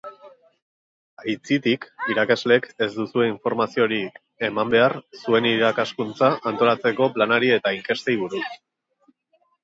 Aitzitik, irakasleek ez duzue informaziorik eman behar zuen Irakaskuntza Antolatzeko Planari eta inkestei buruz.